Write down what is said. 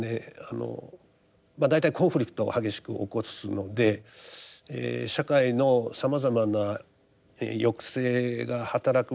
あの大体コンフリクトを激しく起こすので社会のさまざまな抑制が働く場合が多い。